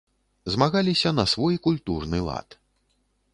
Змагаліся на свой культурны лад.